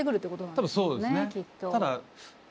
多分そうですね。